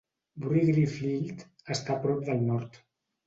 Wrigley Field està a prop del nord.